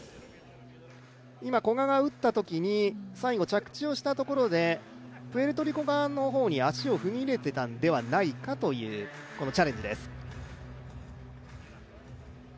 今、古賀が打ったときに最後、着地をしたところでプエルトリコ側の方に足を踏み入れていたんではないかというチャレンジです。